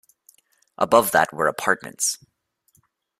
Above that were apartments.